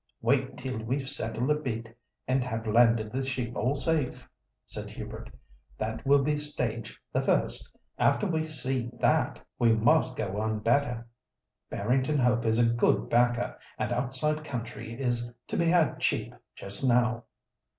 "Wait till we've settled a bit, and have landed the sheep all safe," said Hubert. "That will be stage the first. After we 'see' that, we must 'go one better.' Barrington Hope is a good backer, and outside country is to be had cheap just now."